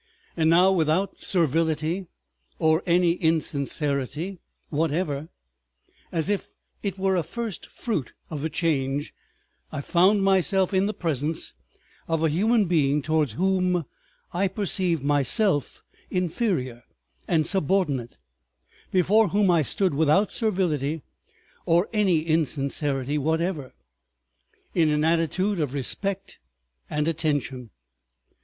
And now without servility or any insincerity whatever, as if it were a first fruit of the Change, I found myself in the presence of a human being towards whom I perceived myself inferior and subordinate, before whom I stood without servility or any insincerity whatever, in an attitude of respect and attention.